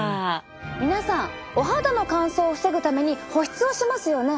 皆さんお肌の乾燥を防ぐために保湿をしますよね。